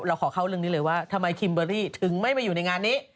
เราขอเข้าเรื่องนี้เลยว่าทำไมคิมเบอรี่ถึงไม่มาอยู่ในงานนี้